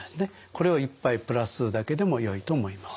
これを１杯プラスするだけでもよいと思います。